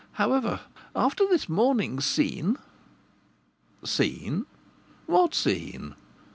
However, after this morning's scene " Scene? What scene?